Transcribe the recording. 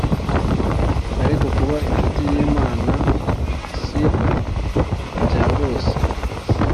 ariko kuba incuti y imana siibya bose